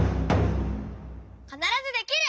「かならずできる！」。